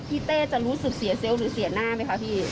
เต้จะรู้สึกเสียเซลล์หรือเสียหน้าไหมคะพี่